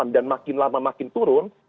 dan makin lama makin turun